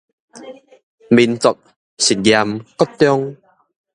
民族實驗國中